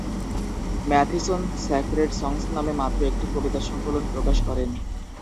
Matheson "sacred songs" নামে মাত্র একটি কবিতা সংকলন প্রকাশ করেন।